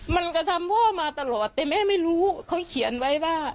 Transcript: มันกระทำพ่อมาตลอดแต่แม่ไม่รู้เขาเขียนไว้ว่า